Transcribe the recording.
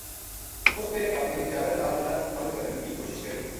اس نے اپنی چادر نال رَت بند کرن کی کوشش کری